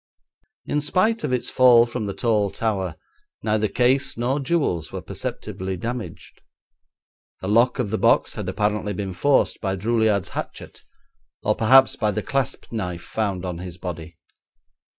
In spite of its fall from the tall tower neither case nor jewels were perceptibly damaged. The lock of the box had apparently been forced by Droulliard's hatchet, or perhaps by the clasp knife found on his body.